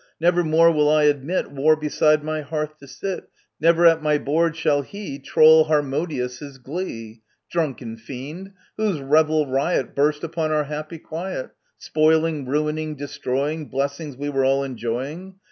Never more will I admit War beside my hearth to sit, Never at my board shall he Troll Harmodius's glee, t Drunken fiend ! whose revel riot Burst upon our happy quiet, Spoiling, ruining, destroying Blessings we were all enjoying.